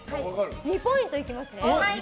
２ポイントいきますね。